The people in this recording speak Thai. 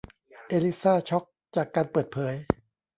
เอลิซ่าช็อคจากการเปิดเผย